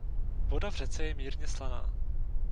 Voda v řece je mírně slaná.